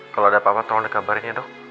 kalau ada apa apa tolong dikabarin ya dok